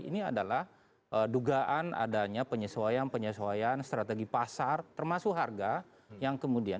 yang satu poli adalah dugaan adanya penyesuaian penyesuaian strategi pasar termasuk harga yang kemudian